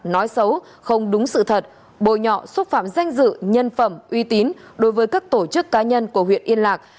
nói xấu không đúng sự thật bồi nhọ xúc phạm danh dự nhân phẩm uy tín đối với các tổ chức cá nhân của huyện yên lạc